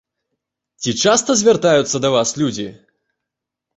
Ці часта звяртаюцца да вас людзі?